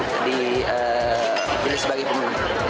terima kasih kepada telkom indonesia juga